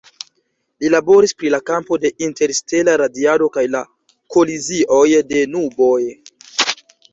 Li laboris pri la kampo de interstela radiado kaj la kolizioj de nuboj.